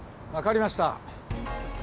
分かりました。